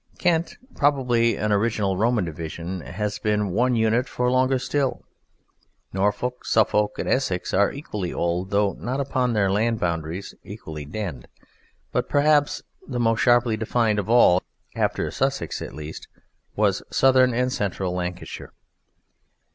Kent, probably an original Roman division, has been one unit for longer still. Norfolk, Suffolk, and Essex are equally old, though not upon their land boundaries equally denned; but perhaps the most sharply defined of all after Sussex, at least was Southern and Central Lancashire.